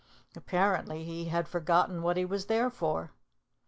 Apparently he had forgotten what he was there for.